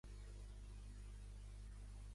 Anton continuà l'empresa familiar.